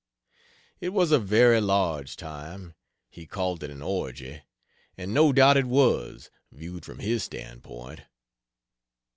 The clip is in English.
It was a very large time. He called it an orgy. And no doubt it was, viewed from his standpoint.